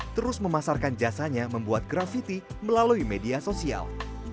terus memasarkan jasanya membuat grafiti melalui media sosial